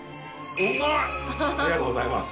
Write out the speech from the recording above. ありがとうございます。